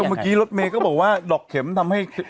เมื่อกี้รถเมย์ก็บอกว่าดอกเข็มทำให้